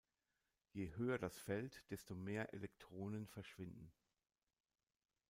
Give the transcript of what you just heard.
Je höher das Feld, desto mehr Elektronen verschwinden.